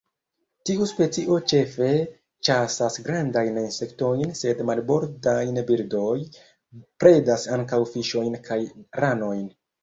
Tiu specio ĉefe ĉasas grandajn insektojn, sed marbordaj birdoj predas ankaŭ fiŝojn kaj ranojn.